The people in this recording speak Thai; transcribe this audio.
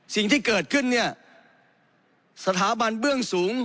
สิ่งที่เกิดขึ้นเนี่ยสถาบันเบื้องสูง